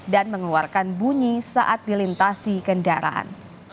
dan mengeluarkan bunyi saat dilintasi kendaraan